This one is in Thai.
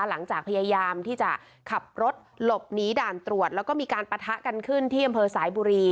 หลังจากพยายามที่จะขับรถหลบหนีด่านตรวจแล้วก็มีการปะทะกันขึ้นที่อำเภอสายบุรี